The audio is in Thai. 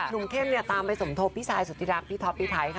เข้มเนี่ยตามไปสมทบพี่ซายสุธิรักพี่ท็อปพี่ไทยค่ะ